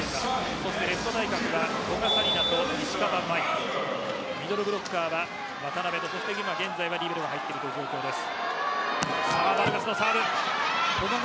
そして、レフト対角は古賀紗理那と石川真佑ミドルブロッカーは渡邊と今、現在はリベロが入っている状況です。